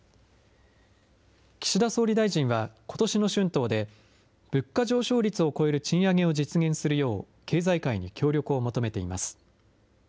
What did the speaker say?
岸田総理大臣はことしの春闘で、物価上昇率を超える賃上げを実現するよう、経済界に協力を求めています。